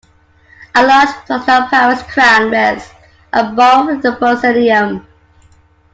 A large plaster-of-Paris crown rests above the proscenium.